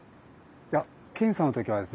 いや検査の時はですね